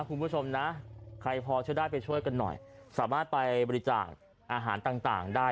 คุณผู้ชมนะใครพอช่วยได้ไปช่วยกันหน่อยสามารถไปบริจาคอาหารต่างได้